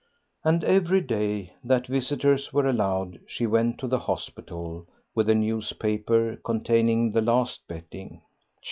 And every day that visitors were allowed she went to the hospital with the newspaper containing the last betting.